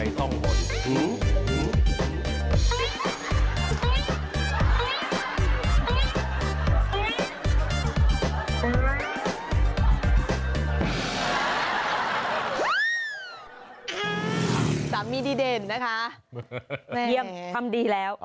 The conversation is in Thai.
เยี่ยมทำดีแล้ว